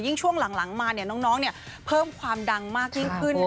ช่วงหลังมาน้องเพิ่มความดังมากยิ่งขึ้น